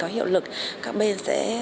có hiệu lực các bên sẽ